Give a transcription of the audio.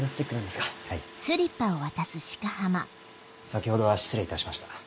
先ほどは失礼いたしました。